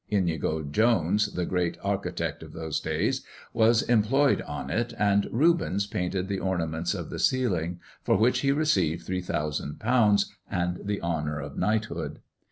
Inigo Jones, the great architect of those days, was employed on it, and Rubens painted the ornaments of the ceiling, for which he received £3000 and the honour of knighthood.